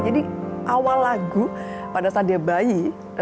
jadi awal lagu pada saat dia bayi